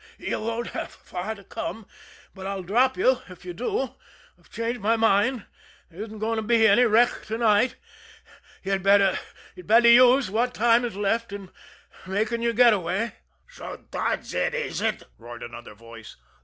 "You won't have far to come, but I'll drop you if you do. I've changed my mind there isn't going to be any wreck to night. You'd better use what time is left in making your getaway." "So that's it, is it!" roared another voice.